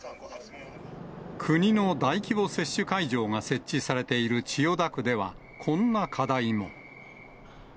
国の大規模接種会場が設置されている千代田区では、こんな課題も。